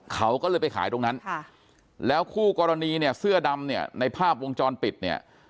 เขาก็เลยไปขายตรงนั้นแล้วคู่กรณีเนี่ยเสื้อดำเนี่ยในภาพวงจรปิดเนี่ย